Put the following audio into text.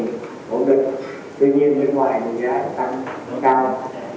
như khóa thấp nơi không được thì đó là nỗ lực để roberto